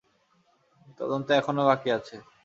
তদন্ত এখনও বাকি আছে।